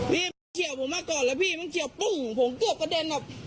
พี่มันเฉียวผมมาก่อนแล้วพี่มันเฉียวปุ้งผมเกือบกระเด็นแบบ